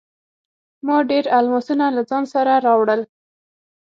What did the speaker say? ما ډیر الماسونه له ځان سره راوړل.